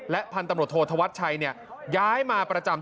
พันธุ์ตำรวจโทษธวัชชัยย้ายมาประจำ